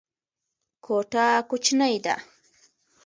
کوټه کوچنۍ ده.